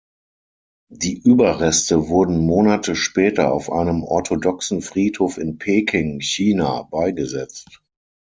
Die Überreste wurden Monate später auf einem orthodoxen Friedhof in Peking, China, beigesetzt.